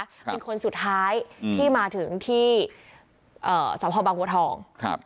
เป็นคนสุดท้ายที่มาถึงที่สมภาพบังหัวทอง